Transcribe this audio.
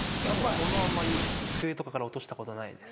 物あんまり机とかから落としたことないです。